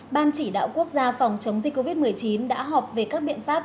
ban chỉ đạo quốc gia phòng chống dịch covid một mươi chín đã họp về các biện pháp